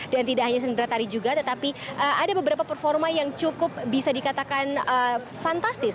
dan tidak hanya sendratari juga tetapi ada beberapa performa yang cukup bisa dikatakan fantastis